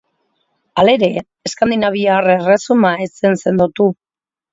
Hala ere, eskandinaviar erresuma ez zen sendotu.